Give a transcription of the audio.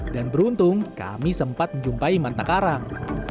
dan beruntung kami sempat menjumpai manta karang